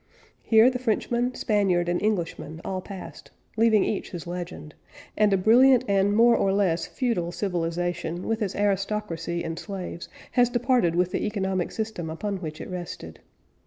Here the Frenchman, Spaniard, and Englishman all passed, leaving each his legend; and a brilliant and more or less feudal civilization with its aristocracy and slaves has departed with the economic system upon which it rested.